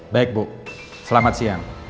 baik bu selamat siang